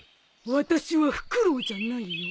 私はフクロウじゃないよ。